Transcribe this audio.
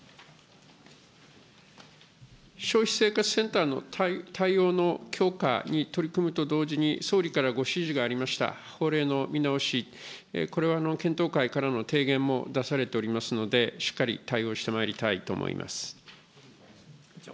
消費者生活センターの対応の強化に取り組むと同時に、総理からご指示がありました、法令の見直し、これは検討会からの提言も出されておりますので、しっかり対応してまいりたいと思います。